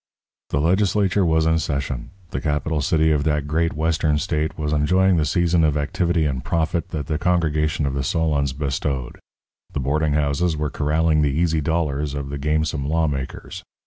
The legislature was in session; the capital city of that great Western state was enjoying the season of activity and profit that the congregation of the solons bestowed. The boarding houses were corralling the easy dollars of the gamesome lawmakers.